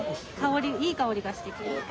いい香りがしてきた。